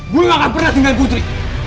gua nggak pernah tinggal putri